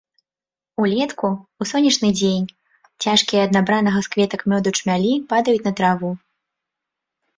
Улетку, у сонечны дзень, цяжкія ад набранага з кветак мёду чмялі падаюць на траву.